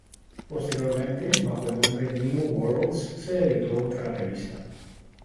Posteriormente, bajo el nombre "New Worlds" se editó otra revista.